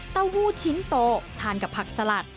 หู้ชิ้นโตทานกับผักสลัด